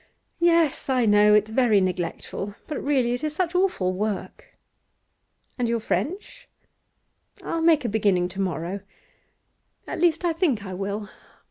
'Yes, I know it's very neglectful, but really it is such awful work.' 'And your French?' 'I'll make a beginning to morrow. At least, I think I will.